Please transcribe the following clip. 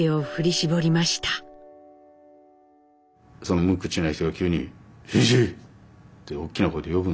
その無口の人が急に「真一！」って大きな声で呼ぶんですよ。